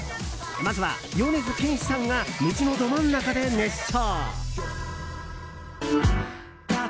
まずは、米津玄師さんが道のど真ん中で熱唱！